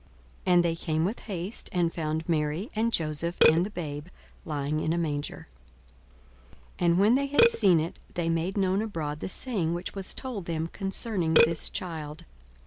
42:002:016 And they came with haste, and found Mary, and Joseph, and the babe lying in a manger. 42:002:017 And when they had seen it, they made known abroad the saying which was told them concerning this child.